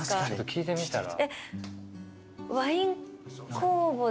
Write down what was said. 聞いてみたら？